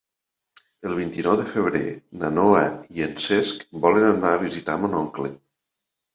El vint-i-nou de febrer na Noa i en Cesc volen anar a visitar mon oncle.